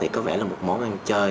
có vẻ là một món ăn chơi